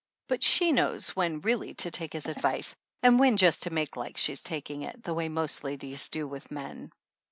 But she knows when really to take his advice and when just to make like she's taking it, the way most ladies do with men.